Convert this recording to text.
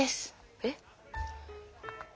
えっ。